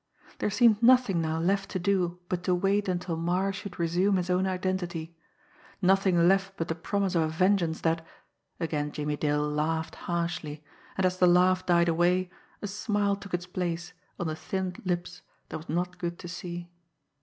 There seemed nothing now left to do but to wait until Marre should resume his own identity; nothing left but the promise of a vengeance that again Jimmie Dale laughed harshly, and, as the laugh died away, a smile took its place on the thinned lips that was not good to see.